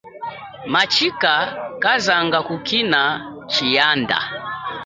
Matshika kazanga kukina tshiyanda.